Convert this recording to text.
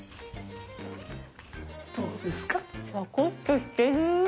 どうですか？